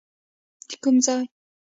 د کوم ځای؟